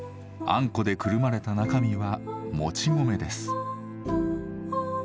あんこでくるまれた中身はもち米です。